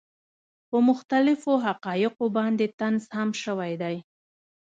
پۀ مختلفو حقائقو باندې طنز هم شوے دے،